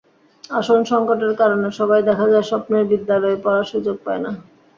আসন সংকটের কারণে সবাই দেখা যায় স্বপ্নের বিশ্ববিদ্যালয়ে পড়ার সুযোগ পায় না।